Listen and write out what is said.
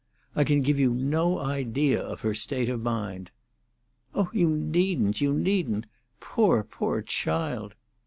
I can give you no idea of her state of mind." "Oh, you needn't! you needn't! Poor, poor child!"